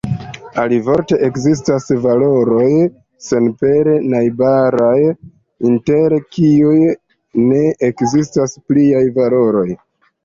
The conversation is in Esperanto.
Alivorte, ekzistas valoroj senpere najbaraj, inter kiuj ne ekzistas plia valoro.